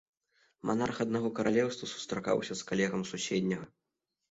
Манарх аднаго каралеўства сустракаўся з калегам з суседняга.